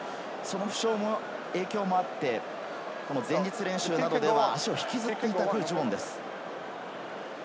負傷の影響もあって、前日練習などでは足を引きずっていた具智元です。